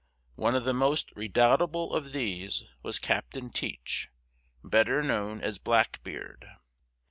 One of the most redoubtable of these was Captain Teach, better known as "Blackbeard."